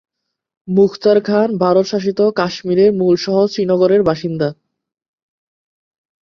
মুখতার খান ভারত শাসিত কাশ্মিরের মূল শহর শ্রীনগরের বাসিন্দা।